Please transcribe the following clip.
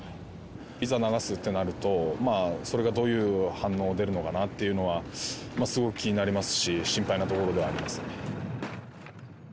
いざ流すってなると、それがどういう反応出るのかなっていうのは、すごく気になりますし、心配なところではありますね。